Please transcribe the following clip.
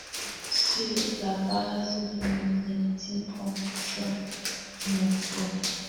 Sur la base de mon intime conviction, de mon flair ?